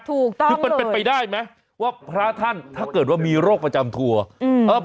ถูกต้องคือมันเป็นไปได้ไหมว่าพระท่านถ้าเกิดว่ามีโรคประจำทัวร์